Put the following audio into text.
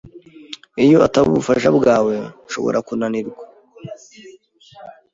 Iyo itaba ubufasha bwawe, nshobora kunanirwa.